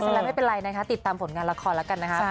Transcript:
เสร็จแล้วไม่เป็นไรนะครับติดตามผลงานละครแล้วกันนะครับ